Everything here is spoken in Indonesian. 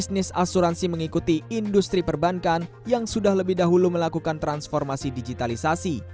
bisnis asuransi mengikuti industri perbankan yang sudah lebih dahulu melakukan transformasi digitalisasi